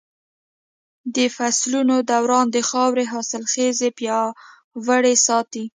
د فصلونو دوران د خاورې حاصلخېزي پياوړې ساتي.